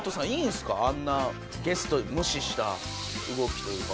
あんなゲスト無視した動きというか。